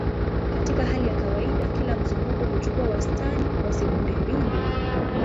Katika hali ya kawaida, kila mzunguko huchukua wastani wa sekunde mbili.